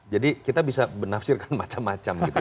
jadi kita bisa menafsirkan macam macam gitu